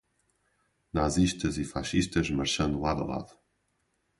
Nazistas e fascistas marchando lado a lado